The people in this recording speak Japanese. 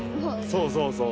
そうそうそう。